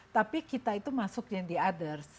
tapi kita itu masuknya di others